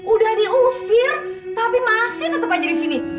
udah diusir tapi masih tetap aja di sini